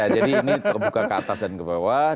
jadi ini terbuka ke atas dan ke bawah